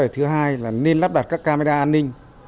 thứ hai là nên lắp đặt các camera an ninh